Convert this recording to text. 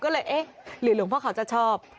ก็เลยเอ๊ะหรือหลวงพ่อเขาจะชอบ